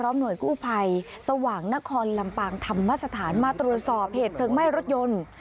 มาสถานมาตรวจสอบเหตุเปลืองไหม้รถยนต์